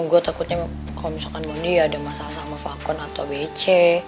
gue takutnya kalo misalkan mondi ya ada masalah sama vakun atau wc